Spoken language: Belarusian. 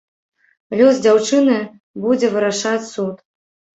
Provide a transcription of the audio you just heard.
Лёс дзяўчыны будзе вырашаць суд.